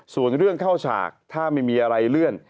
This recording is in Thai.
ส่วนเรื่องเข้าฉากถ้าไม่มีอะไรเลื่อน